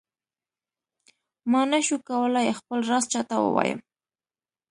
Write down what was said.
ما نه شو کولای خپل راز چاته ووایم.